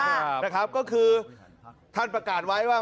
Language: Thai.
คุณหมองบปไม่รักก็คือทานประกาศไว้ว่า